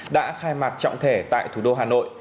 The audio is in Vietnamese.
đã khai mạc trọng thể tại thủ đô hà nội